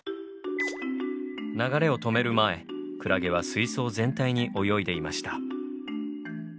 流れを止める前クラゲは水槽全体に泳いでいました。